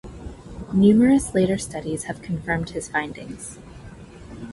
Numerous later studies have confirmed his findings.